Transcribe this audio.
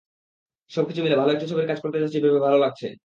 সবকিছু মিলে ভালো একটি ছবির কাজ করতে যাচ্ছি ভেবে ভালো লাগছে।